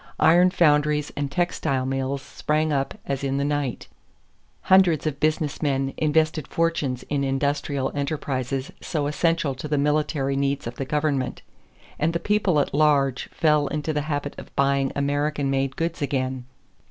Iron foundries and textile mills sprang up as in the night; hundreds of business men invested fortunes in industrial enterprises so essential to the military needs of the government; and the people at large fell into the habit of buying American made goods again.